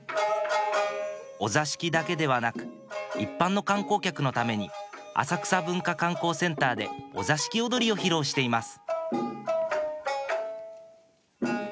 お座敷だけではなく一般の観光客のために浅草文化観光センターでお座敷おどりを披露しています